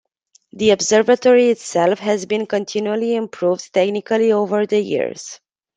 The observatory itself has been continually improved technically over the years.